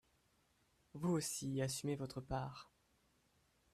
Vous aussi, assumez votre part